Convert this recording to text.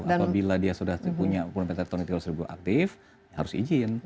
apabila dia sudah punya dompet elektronik tiga ratus ribu aktif harus izin